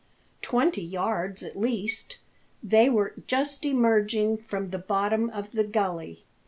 Twenty yards at least. They were just emerging from the bottom of the gully.